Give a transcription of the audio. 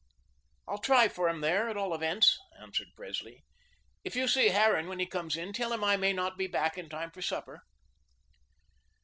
"I'll try for him there, at all events," answered Presley. "If you see Harran when he comes in, tell him I may not be back in time for supper."